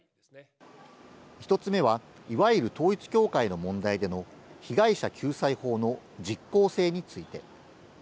１つ目はいわゆる統一教会の問題での被害者救済法の実効性について。